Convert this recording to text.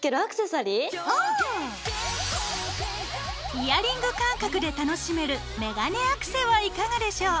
イヤリング感覚で楽しめるメガネアクセはいかがでしょう？